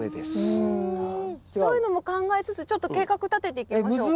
そういうのも考えつつちょっと計画たてていきましょうか。